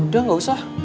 udah gak usah